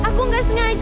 aku gak sengaja